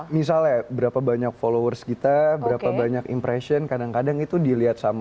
misalnya berapa banyak followers kita berapa banyak impression kadang kadang itu dilihat sama